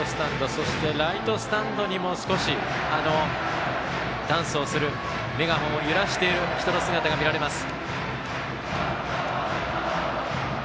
そして、ライトスタンドにも少しダンスをするメガホンを揺らしている人の姿が見えます。